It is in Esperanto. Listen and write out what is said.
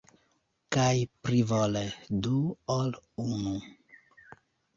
Kaj plivole du ol unu!